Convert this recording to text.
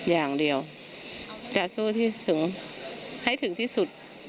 อย่างเดียวจะสู้ให้ถึงที่สุด